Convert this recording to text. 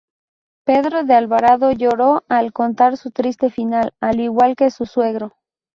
Pedro de Alvarado lloró al contar su triste final, al igual que su suegro.